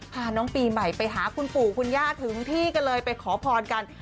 พาน้องปีใหม่ไปหาคุณปู่คุณย่าถึงที่ก็เลยไปขอพรกัน